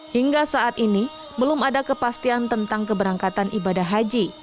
hingga saat ini belum ada kepastian tentang keberangkatan ibadah haji